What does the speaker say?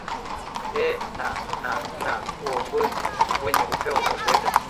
ee na na na uongozi wenye upeo wa kuweza